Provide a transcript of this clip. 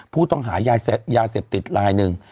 ผู้ต้องหายาเสพติดลายหนึ่ง